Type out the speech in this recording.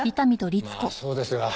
まあそうですが。